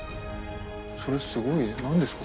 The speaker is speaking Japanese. それすごいなんですか？